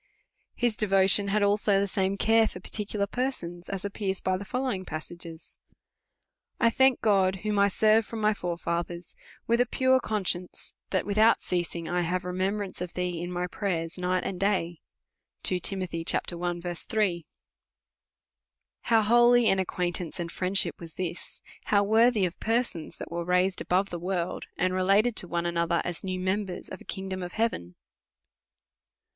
His devotion had also the same care for particular persons, as appears by the following passage. I thank my God, ichom I serve from my forefathers, icith a pure conscience, that, loithout ceasing, I have remem brance of thee in my prayers night and day, 2 Tim. i. 3, How holy an acquaintance and friendship was this, how^ worthy of persons that were raised above the world, and related to one another, as new members of a kingdom of heaven